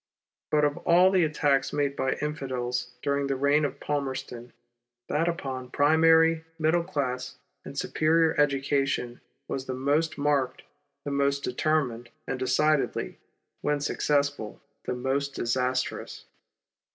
But of all the attacks made by Infidels during the reign of Palmerston, that upon primary, middle class, and superior education was the most marked, the most determined, and decidedly, when successful, the most disastrous.